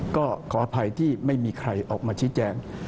ก็ขออภัยที่ไม่มีใครออกมาชี้แจง